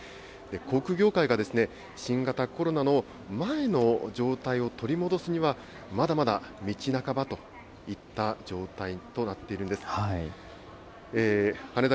航空業界が新型コロナの前の状態を取り戻すには、まだまだ道半ばといった状態となっているんです。